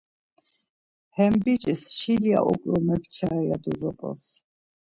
Hem biç̌is şilya okro mepçare ya do zop̌ons.